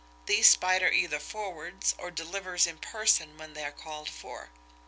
These Spider either forwards, or delivers in person when they are called for.